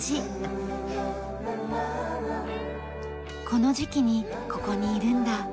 「この時期にここにいるんだ」